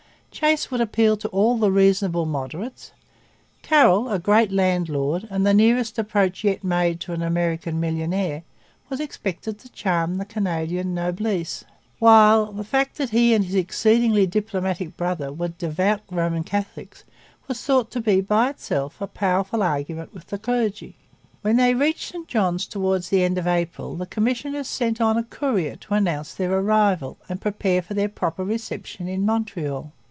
Chase would appeal to all the reasonable 'moderates.' Carroll, a great landlord and the nearest approach yet made to an American millionaire, was expected to charm the Canadian noblesse; while the fact that he and his exceedingly diplomatic brother were devout Roman Catholics was thought to be by itself a powerful argument with the clergy. When they reached St Johns towards the end of April the commissioners sent on a courier to announce their arrival and prepare for their proper reception in Montreal.